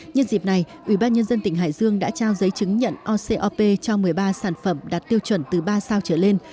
nhân dịp này ủy ban nhân dân tỉnh hải dương đã trao giới chứng nhận ocop cho một mươi ba sản phẩm đạt tiêu chuẩn từ ba sao trở lên